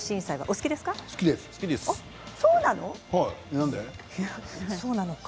好きなのか。